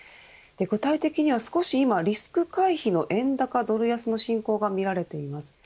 具体的には少しリスク回避の円高ドル安の進行が見られています。